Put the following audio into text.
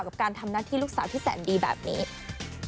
กับการทำหน้าที่ลูกสาวที่แสนดีแบบนี้